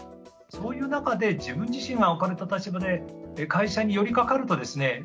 そういう中で自分自身が置かれた立場で会社に寄りかかるとですね